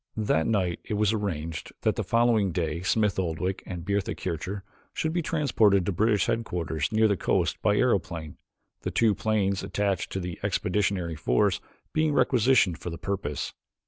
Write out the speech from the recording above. That night it was arranged that the following day Smith Oldwick and Bertha Kircher should be transported to British headquarters near the coast by aeroplane, the two planes attached to the expeditionary force being requisitioned for the purpose.